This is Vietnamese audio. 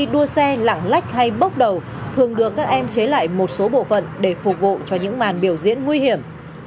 đua xe lạng lách hay bốc đầu thường được các em chế lại một số bộ phận để phục vụ cho những màn biểu diễn nguy hiểm